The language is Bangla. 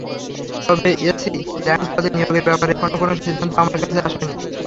তবে এসি ল্যান্ড পদে নিয়োগের ব্যাপারে এখনো কোনো সিদ্ধান্ত আমার কাছে আসেনি।